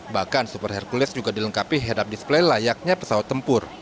bahkan super hercules juga dilengkapi head up display layaknya pesawat tempur